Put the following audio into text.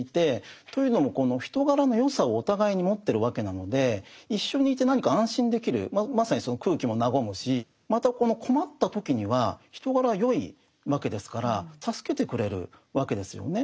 というのもこの人柄の善さをお互いに持ってるわけなので一緒にいて何か安心できるまさにその空気も和むしまたこの困った時には人柄は善いわけですから助けてくれるわけですよね。